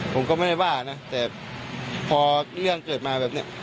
ผมก็ไม่ได้ว่านะแต่พอเรื่องเกิดมาแบบนี้